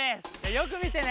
よくみてね！